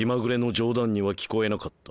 冗談には聞こえなかった。